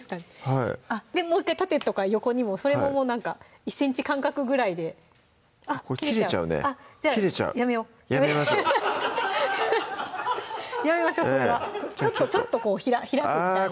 はいもう１回縦とか横にもそれも１ｃｍ間隔ぐらいでこれ切れちゃうね切れちゃうじゃあやめようやめましょうやめましょうそれはちょっと開くみたいな